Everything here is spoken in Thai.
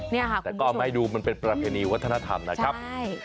แต่ก็ไม่ดูมันเป็นประเพณีวัฒนธรรมนะครับ